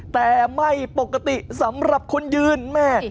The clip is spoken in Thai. แต่ไม่ปกติสำหรับคนยืนแม่